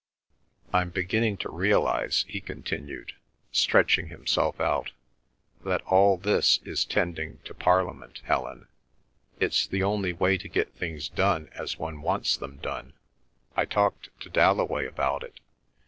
I'm beginning to realise," he continued, stretching himself out, "that all this is tending to Parliament, Helen. It's the only way to get things done as one wants them done. I talked to Dalloway about it.